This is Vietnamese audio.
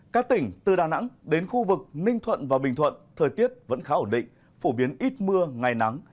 các tỉnh từ đà nẵng đến khu vực ninh thuận và bình thuận thời tiết vẫn khá ổn định phổ biến ít mưa ngày nắng